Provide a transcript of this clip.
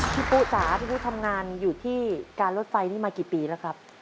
พี่ปุ๊จ๋าพี่ปุ๊ทำงานอยู่ที่การรถไฟนี่มากี่ปีแล้วครับ